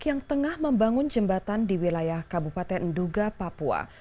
yang tengah membangun jembatan di wilayah kabupaten nduga papua